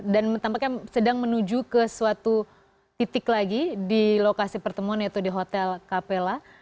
dan tampaknya sedang menuju ke suatu titik lagi di lokasi pertemuan yaitu di hotel capella